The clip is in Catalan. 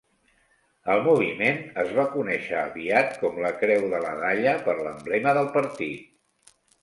El moviment es va conèixer aviat com la Creu de la Dalla per l'emblema del partit.